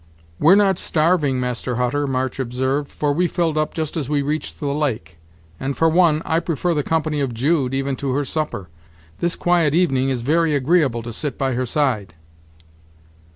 "We're not starving, Master Hutter," March observed, "for we filled up just as we reached the lake, and for one, I prefer the company of Jude even to her supper. This quiet evening is very agreeable to sit by her side."